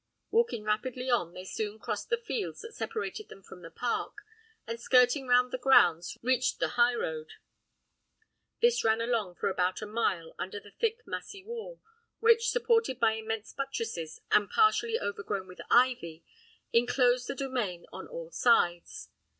Walking rapidly on, they soon crossed the fields that separated them from the park, and skirting round the grounds reached the high road. This ran along for about a mile under the thick massy wall, which, supported by immense buttresses, and partially overgrown with ivy, enclosed the domain on all sides.